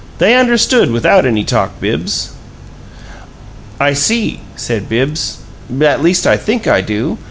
They understood without any talk, Bibbs." "I see," said Bibbs. "At least I think I do.